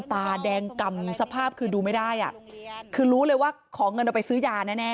ตาแดงกำสภาพคือดูไม่ได้อ่ะคือรู้เลยว่าขอเงินเอาไปซื้อยาแน่